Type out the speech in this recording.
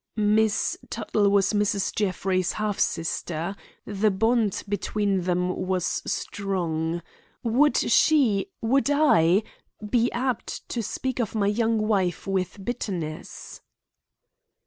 "Miss Tuttle was Mrs. Jeffrey's half sister. The bond between them was strong. Would she—would I—be apt to speak of my young wife with bitterness?"